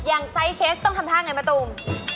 อย่างไซส์เชสต้องทำทางไหนประตูม